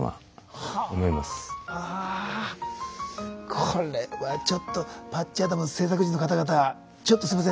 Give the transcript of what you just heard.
これはちょっと「パッチ・アダムス」の製作陣の方々ちょっとすいません。